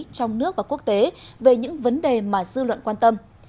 trong nước và quốc tế về những vấn đề mà dư luận quan tâm